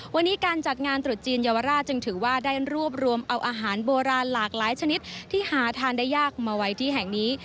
วันนี้การจัดงานตรุษจีนเยาวราชจึงถือว่าได้รวบรวมเอาอาหารโบราณหลากหลายชนิดที่หาทานได้ยากมาไว้ที่แห่งนี้